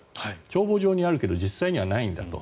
帳簿上にはあるけど実際にはないんだと。